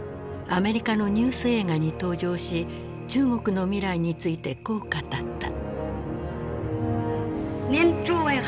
アメリカのニュース映画に登場し中国の未来についてこう語った。